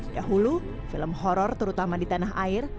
dahulu film horror terutama di tanah air